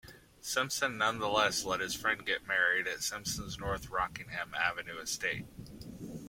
Simpson nonetheless let his friend get married at Simpson's North Rockingham Avenue estate.